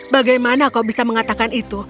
bagaimana kau bisa mengatakan itu